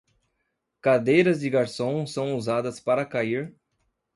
Cadeiras de garçom são usadas para cair